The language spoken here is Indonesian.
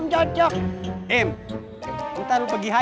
bayangkan nama ternyata memang sama